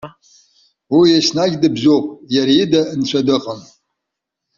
Уи еснагь дыбзоуп, иара ида нцәа дыҟам.